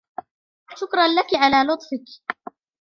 شكراً لكِ على لطفكِ.